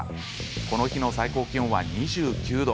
この日の最高気温は２９度。